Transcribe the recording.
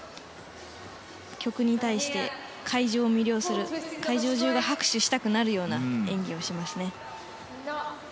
曲に対して会場を魅了する会場中が拍手したくなるような演技をしますね。